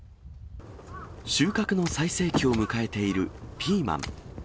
収穫の最盛期を迎えているピーマン。